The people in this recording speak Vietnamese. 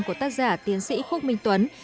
của tác giả tiến sĩ khúc minh tuấn